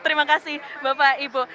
terima kasih bapak ibu